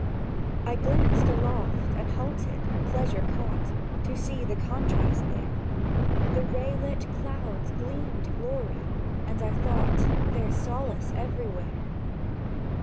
I glanced aloft and halted, pleasure caught To see the contrast there: The ray lit clouds gleamed glory; and I thought, "There's solace everywhere!"